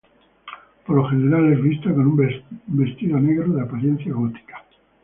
Por lo general es vista con un vestido negro de apariencia gótica.